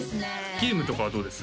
ゲームとかはどうです？